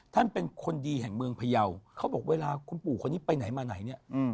ท่านเป็นคนดีแห่งเมืองพยาวเขาบอกเวลาคุณปู่คนนี้ไปไหนมาไหนเนี่ย